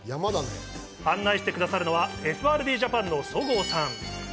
案内してくださるのは、ＦＲＤジャパンの十河さん。